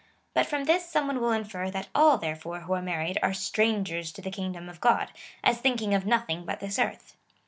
But from this some one will infer, that all, therefore, who are married are strangers to the kingdom of God,^ as thinking of nothing but this earth.